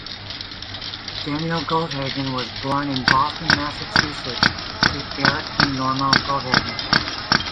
Daniel Goldhagen was born in Boston, Massachusetts to Erich and Norma Goldhagen.